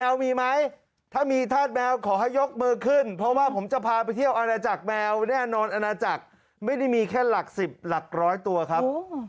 แมวมีไหมถ้ามีธาตุแมวขอให้ยกมือขึ้นเพราะว่าผมจะพาไปเที่ยวอาณาจักรแมวแน่นอนอาณาจักรไม่ได้มีแค่หลัก๑๐หลักร้อยตัวครับ